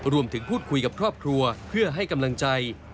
รวมถึงพูดคุยกับครอบครัวเพื่อให้กำลังใจ